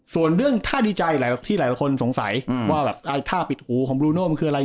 ส่วนเรื่องท่าดีใจที่หลายคนสงสัยว่าแบบท่าปิดหูของบลูโน่มันคืออะไร